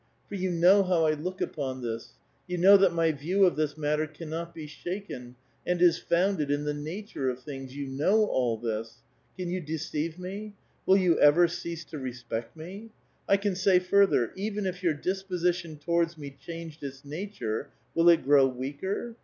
For you know liow 1 look upon this ; you know that my view of this matter oa.anot be shaken, and is founded in the nature of things : you know all this. Can you deceive me? Will you ever oease to rospect me? I can say further : even if your dispo sition towards me changed its nature, will it grow weaker?